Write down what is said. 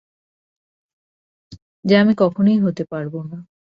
যা আমি কখনোই হতে পারবো না।